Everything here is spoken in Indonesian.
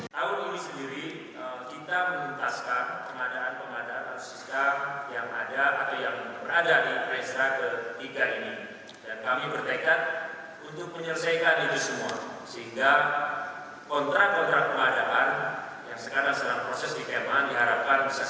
tahun ini sendiri kita menuntaskan pengadaan pengadaan alutsista yang ada atau yang berada di pesta ke tiga ini